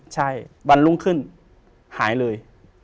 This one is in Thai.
ใช่วันรุ่งขึ้นหายเลย